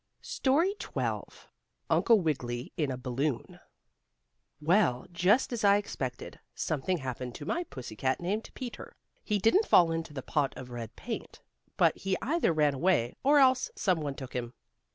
STORY XII UNCLE WIGGILY IN A BALLOON Well, just as I expected, something happened to my pussy cat named Peter. He didn't fall into the pot of red paint, but he either ran away, or else some one took him.